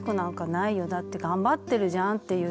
だって頑張ってるじゃん」って言ってくれて。